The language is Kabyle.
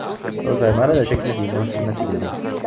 Ur fhimeɣ ara d acu akken i d-inna uselmad zgelli.